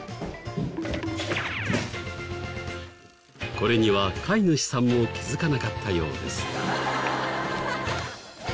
これには飼い主さんも気づかなかったようです。